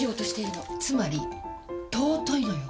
つまり尊いのよ！